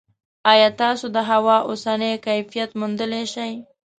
ایا تاسو د هوا اوسنی کیفیت موندلی شئ؟